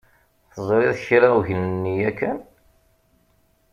Teẓriḍ kra ugnenni yakan?